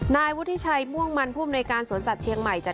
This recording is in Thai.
นายวุฒิชัยม่วงมันผู้อำนวยการสวนสัตว์เชียงใหม่จัด